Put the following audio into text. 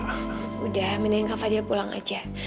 sudah mendingan kak fadil pulang aja